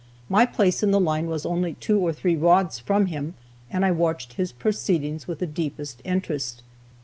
My place in the line was only two or three rods from him, and I watched his proceedings with the deepest interest.